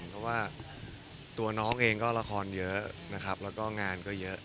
เพราะว่าตัวน้องเองก็ละครเยอะนะครับแล้วก็งานก็เยอะ